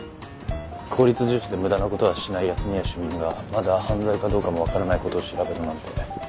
効率重視で無駄な事はしない安洛主任がまだ犯罪かどうかもわからない事を調べるなんて。